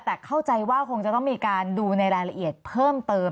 แต่เข้าใจว่าคงจะต้องมีการดูในรายละเอียดเพิ่มเติม